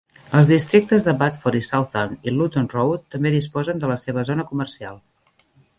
Els districtes de Batford y Southdown y Luton Road també disposen de la seva zona comercial.